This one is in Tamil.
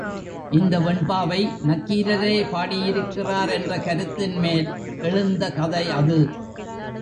இந்த வெண்பாவை நக்கீரரே பாடியிருக்கிறார் என்ற கருத்தின்மேல் எழுந்த கதை அது.